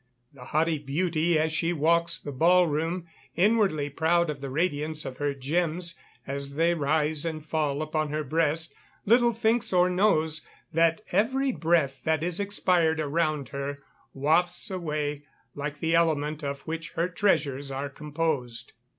The haughty beauty as she walks the ball room, inwardly proud of the radiance of her gems as they rise and fall upon her breast, little thinks or knows that every breath that is expired around her wafts away the like element of which her treasures are composed.